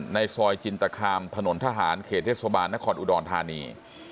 ในซอยจินตคามถนนทหารเขตเทศบาลนครอุดรธานี